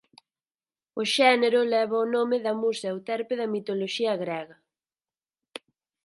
O xénero leva o nome da musa Euterpe da mitoloxía grega.